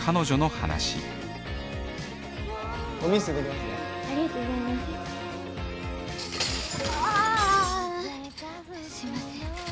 すいません。